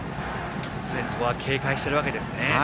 警戒しているわけですね。